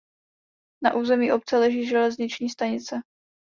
Na území obce leží železniční stanice.